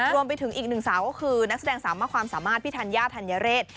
รวมไปถึงอีกหนึ่งสาวก็คือนักแสดงสามารถความสามารถพี่ธัญญาธัญเรศ